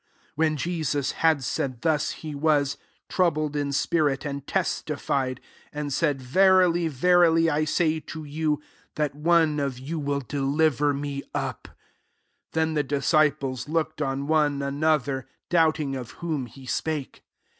SI Whew Jesus had said thus, h^ was troubled in spirit, and tcitified, and said, ••Verily, ve 1%, I say to you, that one of you will deliver me up«" 22 [7%en] the disciples looked on one another, doubting of whom he spake.